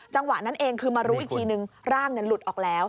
จังหวะนั้นเองคือมารู้อีกทีนึงร่างหลุดออกแล้ว